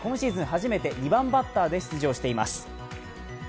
初めて、２番バッターで出場しています。